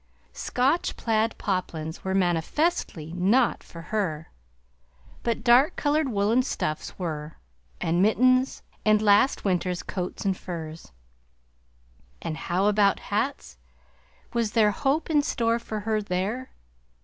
Scotch plaid poplins were manifestly not for her, but dark colored woolen stuffs were, and mittens, and last winter's coats and furs. And how about hats? Was there hope in store for her there?